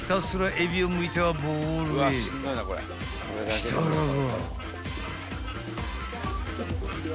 ［したらば］